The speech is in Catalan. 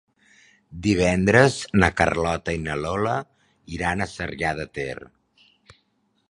Divendres na Carlota i na Lola iran a Sarrià de Ter.